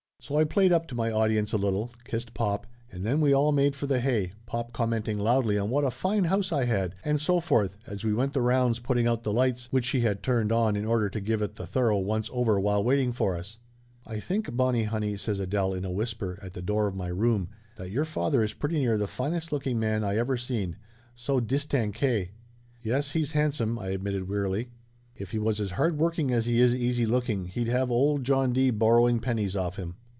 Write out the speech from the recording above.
So I played up to my audience a little, kissed pop, and then we all made for the hay, pop commenting loudly on what a fine house I had, and so forth, as we went the rounds putting out the lights, which he had turned on in order to give it the thorough once over while waiting for us. "I think, Bonnie honey," says Adele in a whisper at the door of my room, "that your father is pretty near the finest looking man I ever seen. So distankay!" "Yes, he's handsome," I admitted wearily. "If he was as hard working as he is easy looking he'd have old John D. borrowing pennies off him."